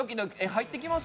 入ってきます？